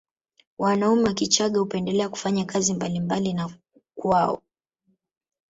Wanaume wa Kichagga hupendelea kufanya kazi mbali na kwao